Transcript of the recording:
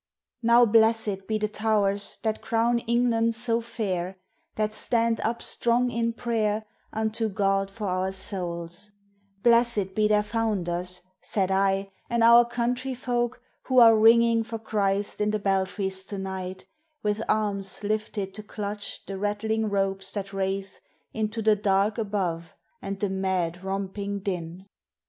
Now blessed be the tow'rs that crown England so fair That stand up strong in prayer unto God for our souls: Blessed be their founders (said I) an' our country folk Who are ringing for Christ in the belfries to night With arms lifted to clutch the rattling ropes that race Into the dark above and the mad romping din.